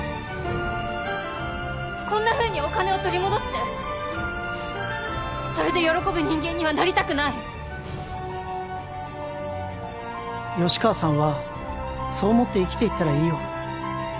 こんなふうにお金を取り戻してそれで喜ぶ人間にはなりたくない吉川さんはそう思って生きていったらいいよ